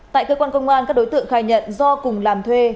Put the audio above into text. tại cơ quan công an các đối tượng khai nhận do cùng làm thuê